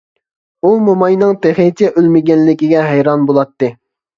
ئۇ موماينىڭ تېخىچە ئۆلمىگەنلىكىگە ھەيران بولاتتى.